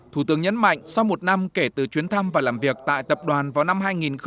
thủ tướng nhấn mạnh sau một năm kể từ chuyến thăm và làm việc tại tập đoàn vào năm hai nghìn một mươi bảy